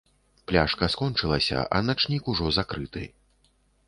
Пляшка скончылася, а начнік ужо закрыты.